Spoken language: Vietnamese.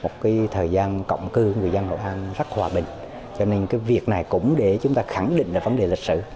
thời gian cộng cư người dân hội an rất hòa bình cho nên việc này cũng để chúng ta khẳng định vấn đề lịch sử